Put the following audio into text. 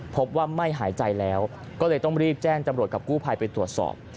พบว่าไม่หายใจแล้วก็เลยต้องรีบแจ้งจำรวจกับกู้ภัยไปตรวจสอบ